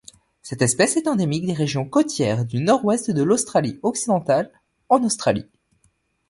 Cette espèce est endémique des régions côtières du Nord-Ouest de l'Australie-Occidentale en Australie.